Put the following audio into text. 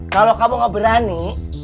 kalau kamu gak berani